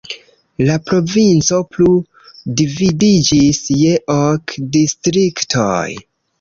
La provinco plu dividiĝis je ok distriktoj.